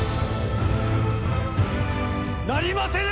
なりませぬ！